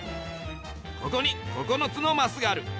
ここに９つのマスがある。